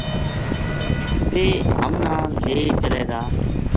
ویہ ہم نا لے چلے گا